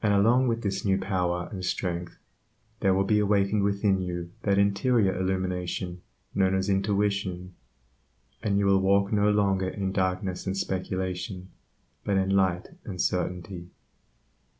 And along with this new power and strength, there will be awakened within you that interior Illumination known as "intuition," and you will walk no longer in darkness and speculation, but in light and certainty.